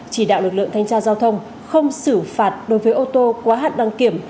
chỉ đạo lực lượng thanh tra giao thông không xử phạt đối với ô tô quá hạn đăng kiểm